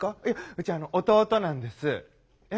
うちあの弟なんです。え？